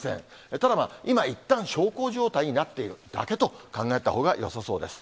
ただ、今いったん小康状態になっているだけと考えたほうがよさそうです。